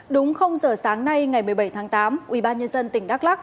đúng giờ sáng nay ngày một mươi bảy tháng tám ubnd tỉnh đắk lắc